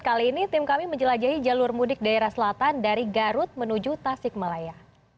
kali ini tim kami menjelajahi jalur mudik daerah selatan dari garut menuju tasik malaya